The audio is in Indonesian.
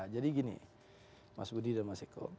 jadi gini mas budi dan mas eko